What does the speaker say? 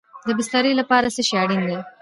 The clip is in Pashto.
د بسترې لپاره څه شی اړین دی؟